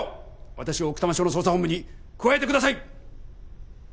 私を奥多摩署の捜査本部に加えてください！